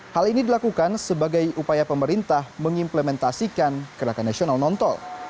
hal ini dilakukan sebagai upaya pemerintah mengimplementasikan gerakan nasional non tol